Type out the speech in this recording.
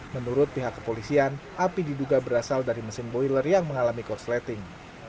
menurut pihak kepolisian api diduga berasal dari mesin boiler yang mengalami korsleting